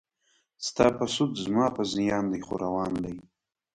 ستا په سود زما په زیان دی خو روان دی.